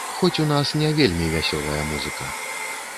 Хоць у нас не вельмі вясёлая музыка.